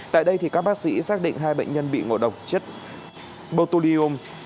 tại đây các bác sĩ xác định hai bệnh nhân bị ngộ độc chất botulium